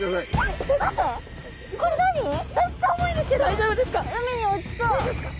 大丈夫ですか？